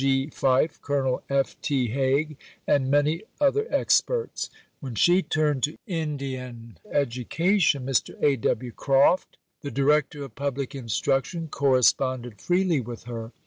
G. Fife, Colonel F. T. Haig, and many other experts. When she turned to Indian education, Mr. A. W. Croft, the Director of Public Instruction, corresponded freely with her.